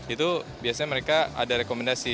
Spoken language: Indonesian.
itu biasanya mereka ada rekomendasi